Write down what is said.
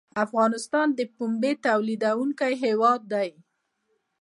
افغانستان د پنبې تولیدونکی هیواد دی